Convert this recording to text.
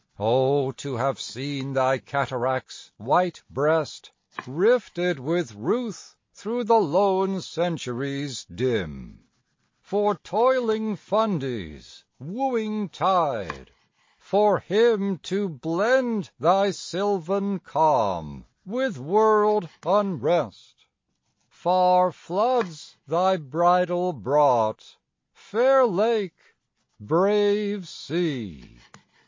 O to have seen thy cataract's white breast, Rifted with ruth through the lone centuries dim, For toiling Fundy's wooing tide for him To blend thy sylvan calm with world unrest! Far floods thy bridal brought, fair lake, brave sea!